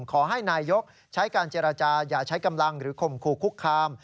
ขอให้นายกใช้การเจรจาอย่าใช้กำลังหรือข่มขู่คุกคาม